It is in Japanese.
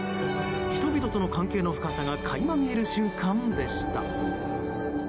人々との関係の深さが垣間見える瞬間でした。